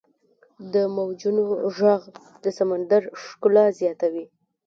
• د موجونو ږغ د سمندر ښکلا زیاتوي.